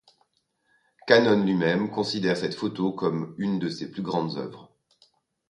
Cannon lui-même considère cette photo comme une de ses plus grandes œuvres.